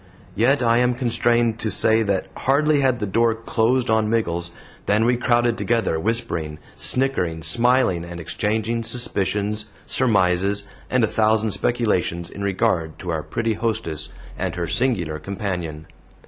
Yet I am constrained to say that hardly had the door closed on Miggles than we crowded together, whispering, snickering, smiling, and exchanging suspicions, surmises, and a thousand speculations in regard to our pretty hostess and her singular companion.